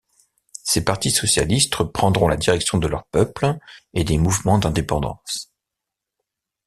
Ces partis socialistes prendront la direction de leurs peuples et des mouvements d'indépendance.